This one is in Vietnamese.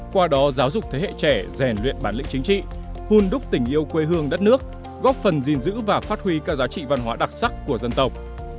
qua đó giáo dục thế hệ trẻ rèn luyện bản lĩnh chính trị hôn đúc tình yêu quê hương đất nước góp phần gìn giữ và phát huy các giá trị văn hóa đặc sắc của dân tộc